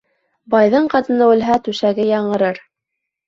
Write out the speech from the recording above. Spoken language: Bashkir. Байҙың ҡатыны үлһә түшәге яңырыр.